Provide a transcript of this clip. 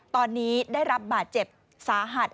ตอนนี้ได้รับบาดเจ็บสาหัส